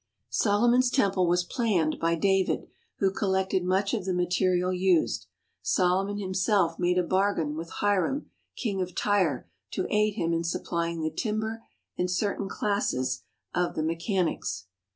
Solomon's Temple was planned by David, who col lected much of the material used. Solomon himself made a bargain with Hiram, King of Tyre, to aid him in supplying the timber and certain classes of the me chanics.